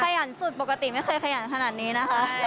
ขยันสุดปกติไม่เคยขยันขนาดนี้นะคะ